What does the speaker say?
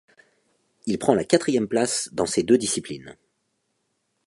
Il prend la quatrième place dans ces deux disciplines.